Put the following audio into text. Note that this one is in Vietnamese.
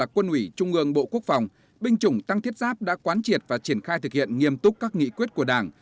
quân ủy trung ương bộ quốc phòng binh chủng tăng thiết giáp đã quán triệt và triển khai thực hiện nghiêm túc các nghị quyết của đảng